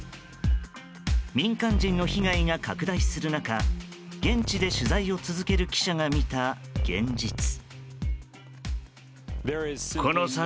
民間人の被害が拡大する中現地で取材を続ける記者が見た現実。